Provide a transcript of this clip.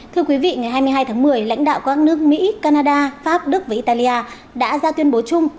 thưa quý vị ngày hai mươi hai tháng một mươi lãnh đạo các nước mỹ canada pháp đức và italia đã ra tuyên bố chung